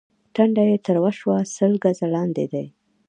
ټنډه يې تروه شوه: سل ګزه لاندې دي.